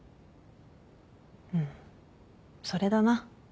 うんそれだな。